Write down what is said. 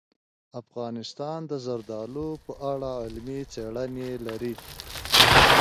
افغانستان د زردالو په اړه علمي څېړنې لري.